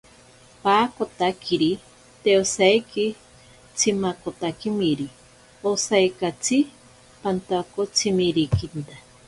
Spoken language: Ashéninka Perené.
Paakotakiri te osaiki tsimakotakimiri, osaikatsi pantakotsirikinta.